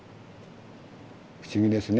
不思議ですね